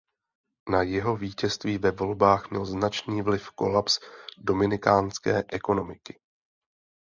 Na jeho vítězství ve volbách měl značný vliv kolaps dominikánské ekonomiky.